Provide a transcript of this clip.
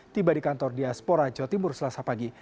tiba di kantor diaspora jawa timur selasa pagi